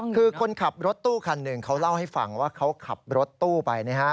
คือคนขับรถตู้คันหนึ่งเขาเล่าให้ฟังว่าเขาขับรถตู้ไปนะฮะ